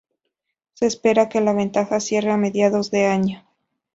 Se espera que la venta cierre a mediados de año.